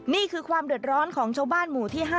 นี่คือความเดือดร้อนของชาวบ้านหมู่ที่๕